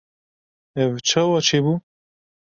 Ev çawa çêbû?